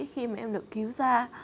khi mà em được cứu ra